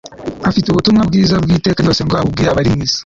afite ubutumwa bwiza bw'iteka ryose ngo abubwira abari mu isi